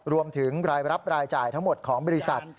รวมถึงรายรับรายจ่ายทั้งหมดของบริษัท